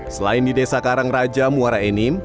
selain di desa karangraja muara enim